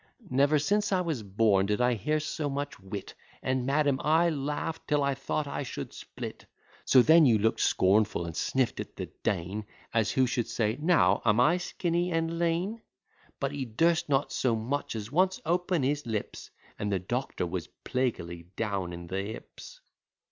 "Never since I was born did I hear so much wit, And, madam, I laugh'd till I thought I should split. So then you look'd scornful, and snift at the Dean, As who should say, 'Now, am I skinny and lean?' But he durst not so much as once open his lips, And the doctor was plaguily down in the hips."